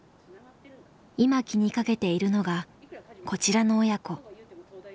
今気にかけているのがこちらの親子。